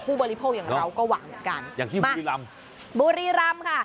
บริโภคอย่างเราก็หวังเหมือนกันอย่างที่บุรีรำบุรีรำค่ะ